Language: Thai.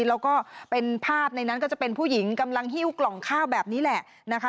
แล้วก็เป็นภาพในนั้นก็จะเป็นผู้หญิงกำลังฮิ้วกล่องข้าวแบบนี้แหละนะคะ